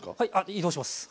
移動します